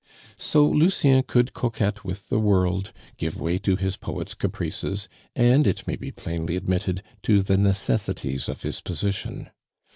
So Lucien could coquet with the world, give way to his poet's caprices, and, it may be plainly admitted, to the necessities of his position.